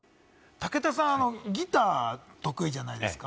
武田さん、ギター得意じゃないですか。